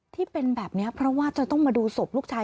ที่เป็นแบบนี้เพราะว่าจะต้องมาดูศพลูกชาย